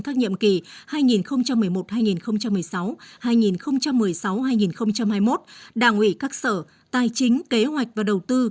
các nhiệm kỳ hai nghìn một mươi một hai nghìn một mươi sáu hai nghìn một mươi sáu hai nghìn hai mươi một đảng ủy các sở tài chính kế hoạch và đầu tư